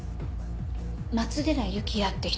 松寺有紀也って人